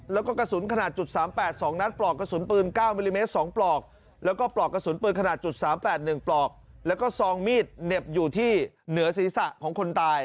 แล้วก็กระสุนขนาดจุด๘๒นั๊ตรปลอกกระสุนพื้น๙มิลลิเมตร๒ปลอก